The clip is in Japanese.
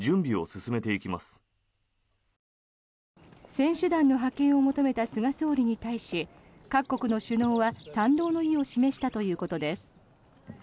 選手団の派遣を求めた菅総理に対し各国の首脳は賛同の意を示したということです。